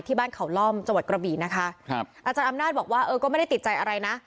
ที่บ้านเขาล่อมจังหวัดกระบี่นะคะครับอาจารย์อำนาจบอกว่าเออก็ไม่ได้ติดใจอะไรนะ